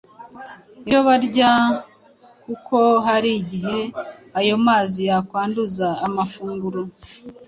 ibyo barya kuko hari igihe ayo mazi yakwanduza amafunguro